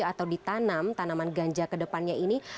atau ditanam tanaman ganja ke depannya ini